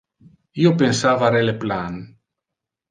Io pensava re le plan.